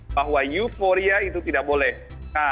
bahwa euforia itu tidak boleh